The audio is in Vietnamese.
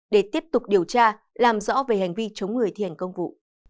để tiếp tục điều tra làm rõ về hành vi chống người thi hành công vụ